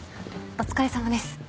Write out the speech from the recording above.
お疲れさまです。